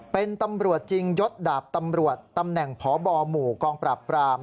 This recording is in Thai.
เป็นตำรวจจริงยดดาบตำรวจตำแหน่งพบหมู่กองปราบปราม